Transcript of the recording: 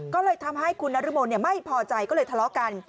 ก็เลยทำให้คุณนรมนไม่พอใจก็เลยทะเลาะกัน